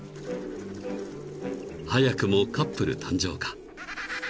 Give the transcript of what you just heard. ［早くもカップル誕生か］